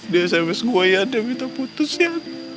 dia sms gue yande minta putus ya